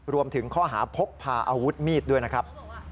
รวมถึงข้อหาพกพาอาวุธมีดด้วยนะครับ